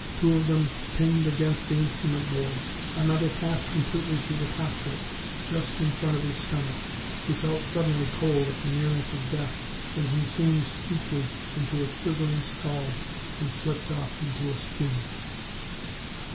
Two of them pinged against the instrument board, another passed completely through the cockpit, just in front of his stomach. He felt suddenly cold at the nearness of death as he zoomed steeply into a quivering stall and slipped off into a spin.